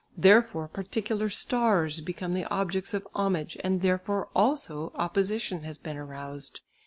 Therefore particular "stars" become the objects of homage and therefore also opposition has been aroused.